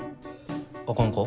あかんか？